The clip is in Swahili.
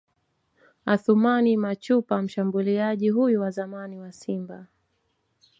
Athumani Machupa Mshambuliaji huyu wa zamani wa Simba